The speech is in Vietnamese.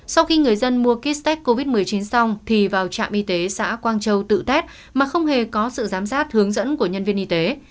sau khi người dân mua kích tết covid một mươi chín xong thì vào trạm y tế xã quang châu tự tết mà không hề có sự giám sát hướng dẫn của nhân viên y tế